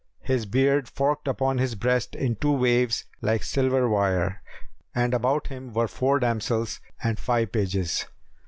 His beard forked upon his breast in two waves like silver wire, and about him were four damsels and five pages.